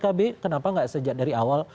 kalau pkb kenapa gak sejak dari awal